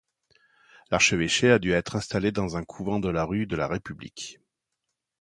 L'archevêché a dû être installé dans un couvent de la rue de la république.